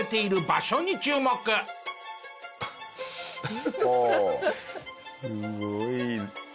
すごい。